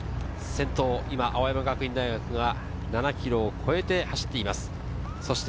先頭、今、青山学院大学が７ｋｍを越えて走っています。